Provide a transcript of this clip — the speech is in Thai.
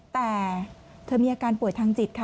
แต่เธอมีอาการป่วยทางจิตค่ะ